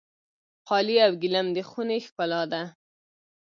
قالي او ګلیم د خونې ښکلا ده.